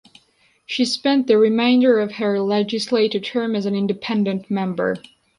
She spent the remainder of her legislative term as an independent member.